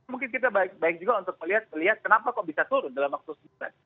mungkin kita baik juga untuk melihat kenapa kok bisa turun dalam waktu sebulan